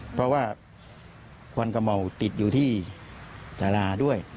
เพราะว่าควันกระเห่าติดอยู่ที่สาราด้วย